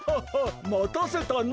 またせたな！